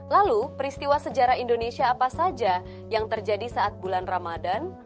lalu peristiwa sejarah indonesia apa saja yang terjadi saat bulan ramadan